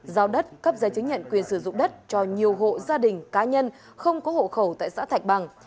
giao đất cấp giấy chứng nhận quyền sử dụng đất cho nhiều hộ gia đình cá nhân không có hộ khẩu tại xã thạch bằng